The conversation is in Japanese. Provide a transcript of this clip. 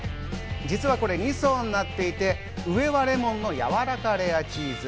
実は、これ２層になっていて、上はレモンのやわらかレアチーズ。